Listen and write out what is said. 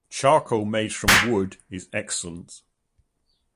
Charcoal made from the wood is excellent.